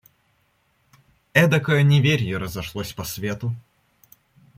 Эдакое неверье разошлось по свету!